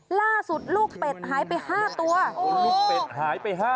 ล่าสุดลูกเป็ดหายไป๕ตัวลูกเป็ดหายไปห้า